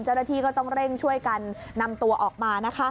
เจ้าหน้าที่ก็ต้องเร่งช่วยกันนำตัวออกมา